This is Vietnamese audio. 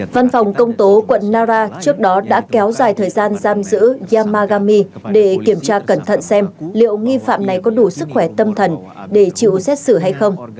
văn phòng công tố quận nara trước đó đã kéo dài thời gian giam giữ yamagami để kiểm tra cẩn thận xem liệu nghi phạm này có đủ sức khỏe tâm thần để chịu xét xử hay không